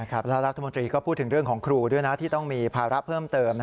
แล้วรัฐมนตรีก็พูดถึงเรื่องของครูด้วยนะที่ต้องมีภาระเพิ่มเติม